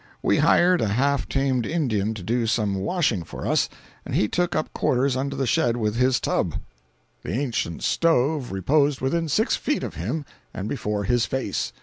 We hired a half tamed Indian to do some washing for us, and he took up quarters under the shed with his tub. The ancient stove reposed within six feet of him, and before his face.